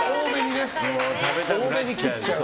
多めに切っちゃう。